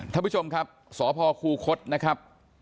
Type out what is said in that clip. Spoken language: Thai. ท่านผู้ชมครับสพคูคศนะครับ